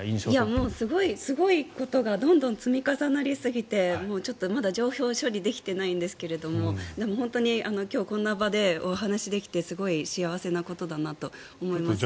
もうすごいことがどんどん積み重なりすぎてちょっとまだ情報を処理できていないんですがでも、本当に今日、こんな場でお話しできてすごい幸せなことだったと思います。